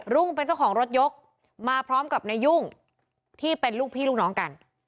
เป็นเจ้าของรถยกมาพร้อมกับนายยุ่งที่เป็นลูกพี่ลูกน้องกัน